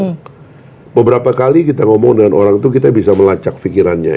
karena beberapa kali kita ngomong dengan orang itu kita bisa melacak fikirannya